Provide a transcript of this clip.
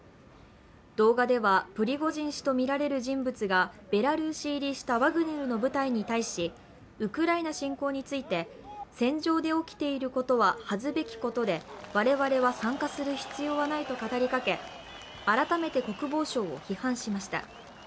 動画ではプリゴジン氏とみられる人物がベラルーシ入りしたワグネルの部隊に対し、ウクライナ侵攻について、戦場で起きていることは恥ずべきことで我々は参加する必要はないと語りかけ改めて国防省を批判しました。